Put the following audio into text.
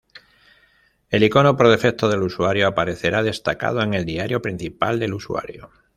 El icono por defecto del usuario aparecerá destacado en el diario principal del usuario.